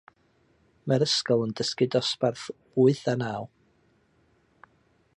Mae'r ysgol yn dysgu dosbarth wyth a naw.